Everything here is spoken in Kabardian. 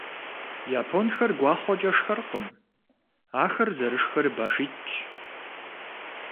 Японхэр гуахъуэкӏэ шхэркъым, ахэр зэрышхэр башитӏщ.